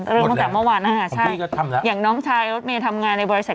เรื่องตั้งแต่เมื่อวานนะคะใช่อย่างน้องชายรถเมล์ทำงานในบริษัท